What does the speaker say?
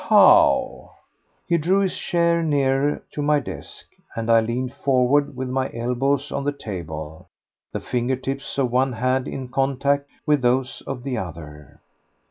"How?" He drew his chair nearer to my desk, and I leaned forward, with my elbows on the table, the finger tips of one hand in contact with those of the other.